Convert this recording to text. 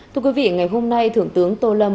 thưa quý vị ngày hôm nay thượng tướng tô lâm